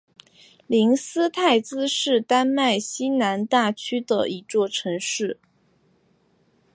灵斯泰兹是丹麦西兰大区的一座城市。